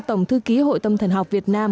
tổng thư ký hội tâm thần học việt nam